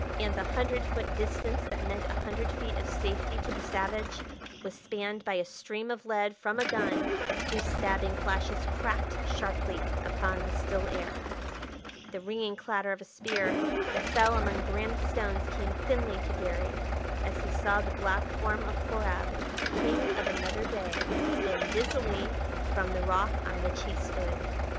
And the hundred foot distance that meant a hundred feet of safety to the savage was spanned by a stream of lead from a gun whose stabbing flashes cracked sharply upon the still air. The ringing clatter of a spear that fell among granite stones came thinly to Garry as he saw the black form of Horab, king of another day, spin dizzily from the rock on which he stood.